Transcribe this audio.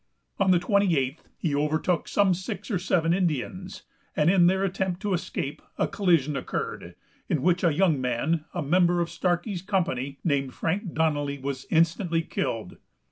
On the 28th he overtook some six or seven Indians, and in their attempt to escape a collision occurred, in which a young man, a member of Starkey's company, named Frank Donnelly, was instantly killed.